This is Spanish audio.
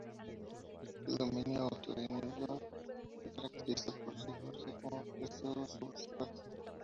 El dominio auto-inhibidor se caracteriza por situarse como pseudo-substrato.